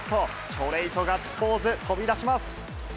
チョレイ！とガッツポーズ、飛び出します。